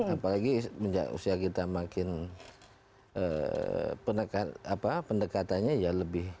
apalagi sejak usia kita makin pendekatannya ya lebih